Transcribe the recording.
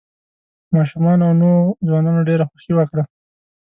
ماشومانو او نوو ځوانانو ډېره خوښي وکړه.